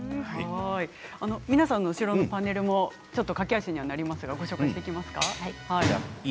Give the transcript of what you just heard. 皆さんの後ろのパネルも駆け足にはなりますがご紹介していきますか。